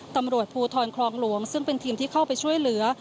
ตำรวจภูทรคลองหลวงซึ่งเป็นทีมที่เข้าไปช่วยเหลือ